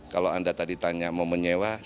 kalau anda tadi tanya mau menyewa